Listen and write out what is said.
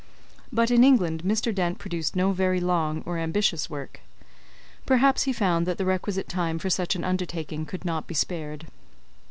But in England Mr. Dent produced no very long or ambitious work. Perhaps he found that the requisite time for such an undertaking could not be spared.